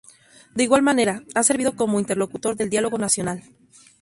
De igual manera, ha servido como interlocutor del diálogo nacional.